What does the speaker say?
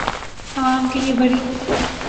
آعوام کے لئے بڑی